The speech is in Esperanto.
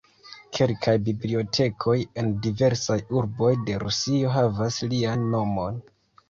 Kelkaj bibliotekoj en diversaj urboj de Rusio havas lian nomon.